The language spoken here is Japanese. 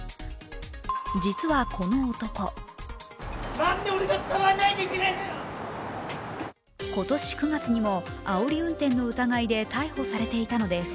実は、この男今年９月にもあおり運転の疑いで逮捕されていたのです。